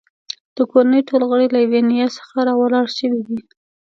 د کورنۍ ټول غړي له یوې نیا څخه راولاړ شوي دي.